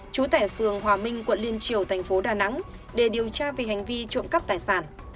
chú tẻ phường hòa minh quận liên triều tp đà nẵng để điều tra về hành vi trộm cắp tài sản